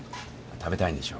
食べたいんでしょ。